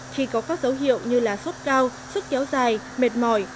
khi có các dấu hiệu như là xuất cao xuất kéo dài mệt mỏi